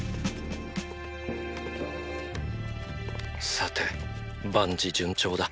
さて万事順調だ。